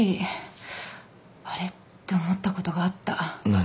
何？